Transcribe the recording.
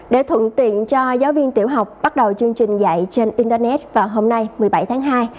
để thuận tiện cho giáo viên tiểu học bắt đầu chương trình dạy trên internet vào hôm nay một mươi bảy tháng hai